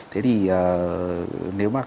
thế thì nếu mà